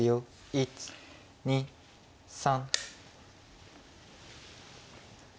１２３。